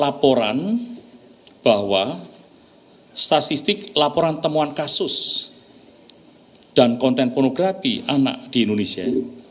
laporan bahwa statistik laporan temuan kasus dan konten pornografi anak di indonesia